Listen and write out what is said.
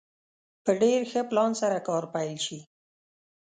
په ډېر ښه پلان سره کار پيل شي.